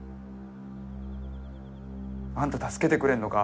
あんた助けてくれんのか？